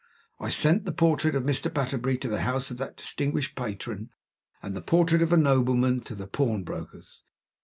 I sent the portrait of Mr. Batterbury to the house of that distinguished patron, and the Portrait of a Nobleman to the Pawnbroker's.